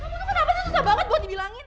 kenapa susah banget buat dibilangin